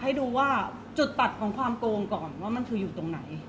เพราะว่าสิ่งเหล่านี้มันเป็นสิ่งที่ไม่มีพยาน